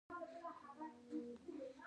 د ننګرهار سیلابونه خطرناک دي؟